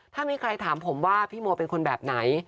ถ้ามีใครถามผมว่าพี่โมเป็นคนแบบไหน